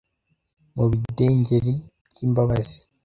mu bidengeri by'imbabazi